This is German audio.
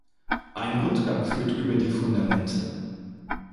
Ein Rundgang führt über die Fundamente.